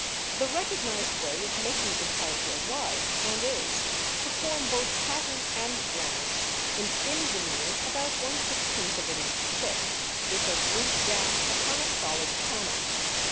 The recognised way of making Intarsia was, and is, to form both pattern and ground in thin veneers about 1/16 of an inch thick, which are glued down upon a solid panel.